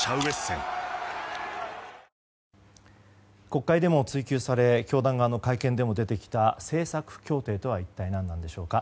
国会でも追及され教団側の会見でも出てきた政策協定とは一体何なのでしょうか。